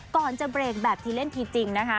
ก่อนจะเบรกแบบทีเล่นทีจริงนะคะ